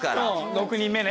６人目ね。